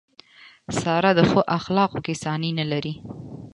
ساره په ښو اخلاقو کې ثاني نه لري.